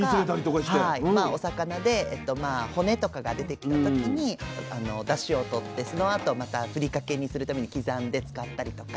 お魚で骨とかが出てきた時にだしを取ってそのあとまた振りかけにするために刻んで使ったりとか。